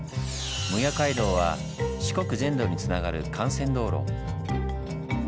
撫養街道は四国全土につながる幹線道路。